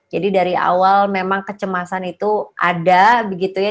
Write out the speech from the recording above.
jadi dari awal memang kecemasan itu ada begitu ya